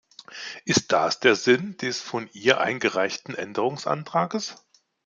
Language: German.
Ist das der Sinn des von ihr eingereichten Änderungsantrages?